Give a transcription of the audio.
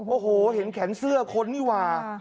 โอ้โหเห็นแขนเสื้อคนนี่หว่า